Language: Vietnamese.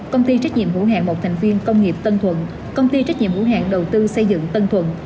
công ty trách nhiệm hữu hạng một thành viên công nghiệp tân thuận công ty trách nhiệm hữu hạn đầu tư xây dựng tân thuận